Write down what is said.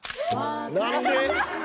何で？